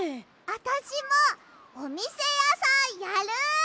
あたしもおみせやさんやる！